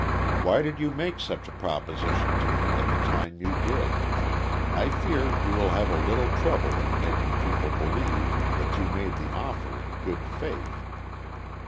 Why did you make such a proposition to me at the time you did? I fear you will have a little trouble in making people believe that you made the offer in good faith.